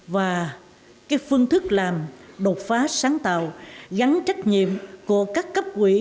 và cái phương thức làm đột phá sáng tạo gắn trách nhiệm của các cấp quỹ